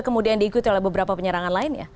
kemudian diikuti oleh beberapa penyerangan lain ya